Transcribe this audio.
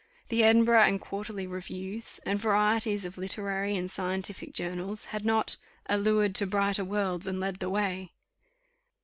The Edinburgh and Quarterly Reviews, and varieties of literary and scientific journals, had not "Allured to brighter worlds, and led the way."